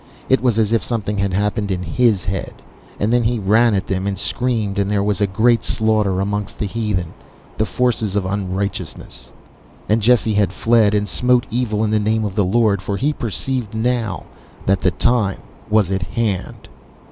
It was as if something had happened in his head, and then he ran at them and screamed, and there was great slaughter amongst the heathen, the forces of unrighteousness. And Jesse had fled, and smote evil in the name of the Lord, for he perceived now that the time was at hand.